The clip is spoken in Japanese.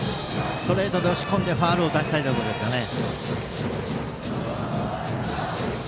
ストレートで押し込んでファウルを打たせたいですね。